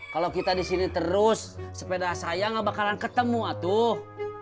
kalau kita di sini terus sepeda saya gak bakalan ketemu atuh